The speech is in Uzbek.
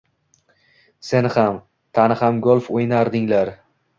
Sen ham, Tani ham golf o`ynardinglar